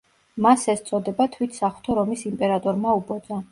მას ეს წოდება თვით საღვთო რომის იმპერატორმა უბოძა.